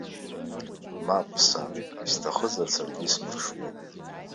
Мап, сан, исҭахызар саргьы исмыршуеи!